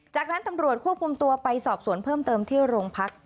จากนั้นตำรวจควบคุมตัวไปสอบสวนเพิ่มเติมที่โรงพัก